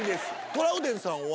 トラウデンさんは？